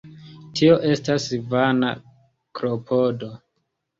Tio estas vana klopodo.